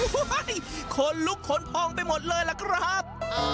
โอ้โหขนลุกขนพองไปหมดเลยล่ะครับ